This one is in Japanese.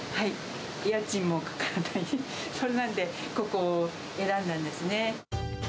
家賃もかからないし、そんなんで、ここを選んだんですね。